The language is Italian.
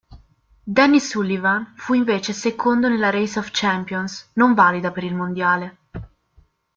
Danny Sullivan fu invece secondo nella Race of Champions, non valida per il mondiale.